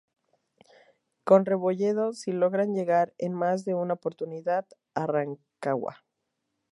Con Rebolledo si logran llegar, en más de una oportunidad, a Rancagua.